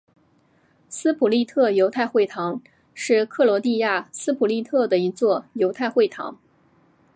斯普利特犹太会堂是克罗地亚斯普利特的一座犹太会堂。